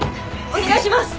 お願いします！